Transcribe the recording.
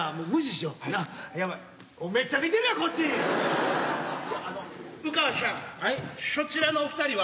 しょちらのお二人は？